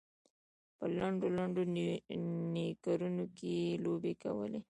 په لنډو لنډو نیکرونو کې یې لوبې کولې.